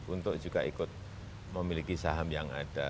untuk juga ikut memiliki saham yang ada